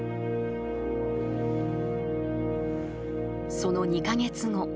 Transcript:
［その２カ月後］